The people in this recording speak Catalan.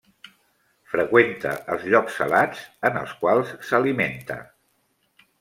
Freqüenta els llocs salats, en els quals s'alimenta.